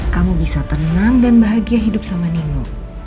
kamu bisa tenang dan bahagia hidup sama nino